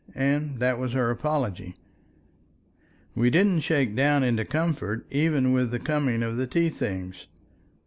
and that was her apology. .. We didn't shake down into comfort even with the coming of the tea things.